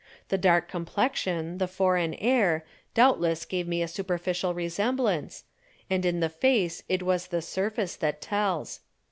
The dark complexion, the foreign air, doubtless gave me a superficial resemblance, and in the face it is the surface that tells.